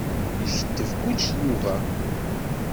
Iketteb kullec Yuba.